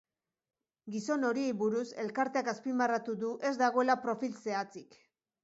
Gizon horiei buruz, elkarteak azpimarratu du ez dagoela profil zehatzik.